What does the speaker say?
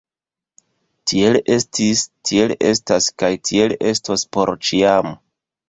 Tiel estis, tiel estas kaj tiel estos por ĉiam!